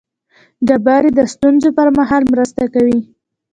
ډبرې د ستونزو پر مهال مرسته کوي.